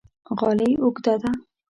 غالۍ اوږده ده